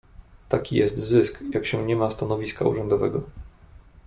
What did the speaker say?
"Taki jest zysk, jak się nie ma stanowiska urzędowego."